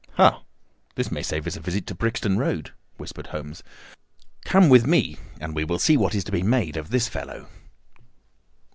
"Ha! this may save us a visit to Brixton Road," whispered Holmes. "Come with me, and we will see what is to be made of this fellow."